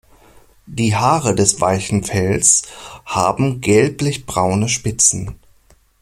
Die Haare des weichen Fells haben gelblichbraune Spitzen.